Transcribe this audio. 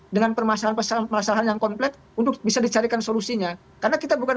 dengan permasalahan permasalahan yang komplek untuk bisa dicarikan solusinya karena kita bukan